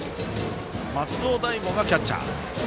松尾大悟がキャッチャー。